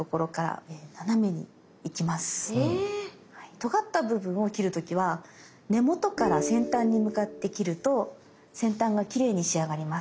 とがった部分を切る時は根元から先端に向かって切ると先端がきれいに仕上がります。